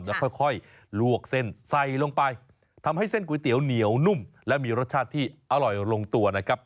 แล้วค่อยลวกเส้นใส่ลงไปทำให้เส้นก๋วยเตี๋ยวเหนียวนุ่มและมีรสชาติที่อร่อยลงตัวนะครับ